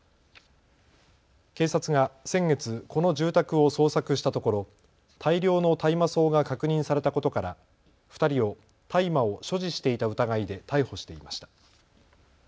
警察が先月、この住宅を捜索したところ大量の大麻草が確認されたことから２人を大麻を所持していた疑いで逮捕していました。